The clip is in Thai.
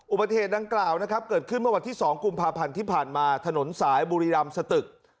อุบัติเหตุดังกล่าวนะครับเกิดขึ้นเมื่อวันที่๒กุมภาพันธ์ที่ผ่านมาถนนสายบุรีรำสตึก